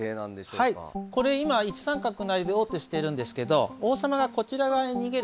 これ今１三角成で王手してるんですけど王様がこちら側へ逃げる